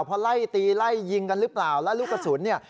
พอไล่ตีไล่ยิงกันหรือเปล่าแล้วลูกกระสุนเนี่ย